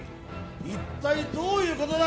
一体どういうことだ？